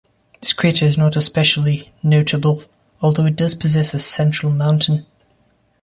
This crater is not especially notable, although it does possess a central mountain.